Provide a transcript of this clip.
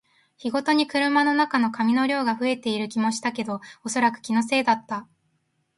日ごとに車の中の紙の量が増えている気もしたけど、おそらく気のせいだった